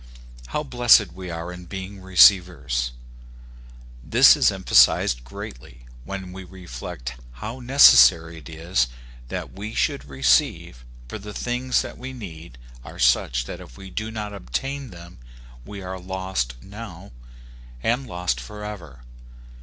How blessed we are in being receivers ! This is emphasized greatly, when we reflect how necessary it is that we should receive ; for the things that we need are such that if we do not obtain them we are lost now, and lost forever.